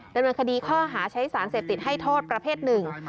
ดำเนินคดีข้อหาใช้สารเสพติดให้โทษประเภทหนึ่ง